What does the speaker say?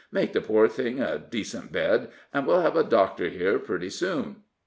"Make the poor thing a decent bed, an' we'll hev a doctor here pretty soon."